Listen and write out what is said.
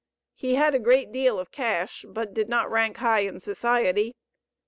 He had a great deal of cash, but did not rank high in society.